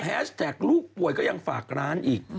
แท็กลูกป่วยก็ยังฝากร้านอีก